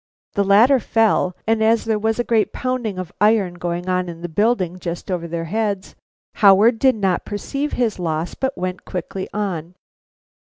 The latter fell, and as there was a great pounding of iron going on in the building just over their heads, Howard did not perceive his loss but went quickly on.